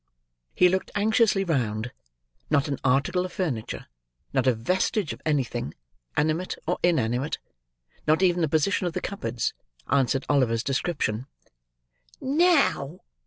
He looked anxiously round; not an article of furniture; not a vestige of anything, animate or inanimate; not even the position of the cupboards; answered Oliver's description! "Now!"